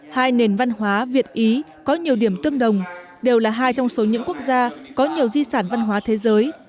hai nền văn hóa việt ý có nhiều điểm tương đồng đều là hai trong số những quốc gia có nhiều di sản văn hóa thế giới